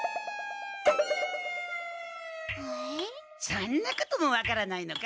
そんなことも分からないのか？